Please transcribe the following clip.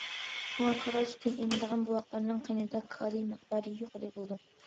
شۇڭا كالا سۈتى ئېمىدىغان بوۋاقلارنىڭ قېنىدا كالىي مىقدارى يۇقىرى بولىدۇ.